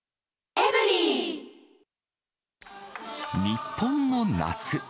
日本の夏。